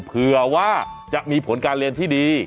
เผื่อว่าจะมีผลการเรียนที่ดี